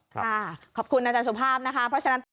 ค่ะขอบคุณอาจารย์สุภาพนะคะ